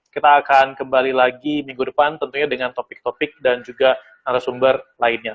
kita akan kembali lagi minggu depan tentunya dengan topik topik dan juga narasumber lainnya